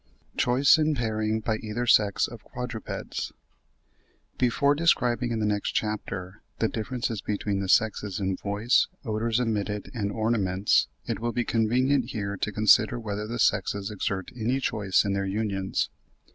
CHOICE IN PAIRING BY EITHER SEX OF QUADRUPEDS. Before describing in the next chapter, the differences between the sexes in voice, odours emitted, and ornaments, it will be convenient here to consider whether the sexes exert any choice in their unions.